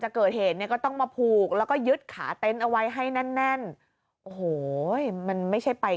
เกิดเหตุเนี่ยก็ต้องมาผูกแล้วก็ยึดขาเต็นต์เอาไว้ให้แน่นโอ้โหมันไม่ใช่ไป